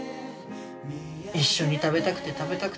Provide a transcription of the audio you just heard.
一緒に食べたくて食べたくて。